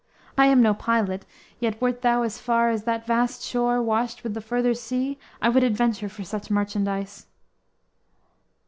I am no pilot, yet wert thou as far As that vast shore washed with the further sea I would adventure for such merchandise!"